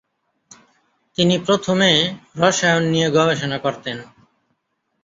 তিনি প্রথমে রসায়ন নিয়ে গবেষণা করতেন।